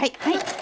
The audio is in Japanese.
はい。